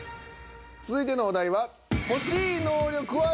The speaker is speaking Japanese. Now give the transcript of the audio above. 続いてのお題は。